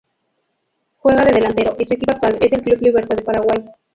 Juega de delantero y su equipo actual es el Club Libertad de Paraguay.